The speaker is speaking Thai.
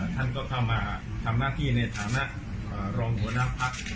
ท่านก็เข้ามาทำงานที่ในฐานะร่องหัวนางภัศน์